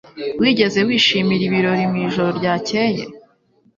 Wigeze wishimira ibirori mu ijoro ryakeye?